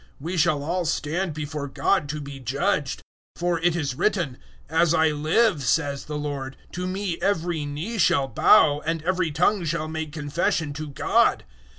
We shall all stand before God to be judged; 014:011 for it is written, "`As I live,' says the Lord, `to Me every knee shall bow, and every tongue shall make confession to God.'"